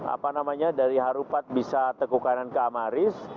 apa namanya dari harupat bisa teku kanan ke amaris